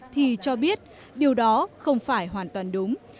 thì cho biết điều đó không phải hoàn toàn đúng